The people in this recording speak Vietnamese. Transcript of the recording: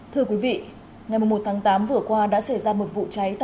thưa quý vị ngày một tháng tám vừa qua đã xảy ra một vụ cháy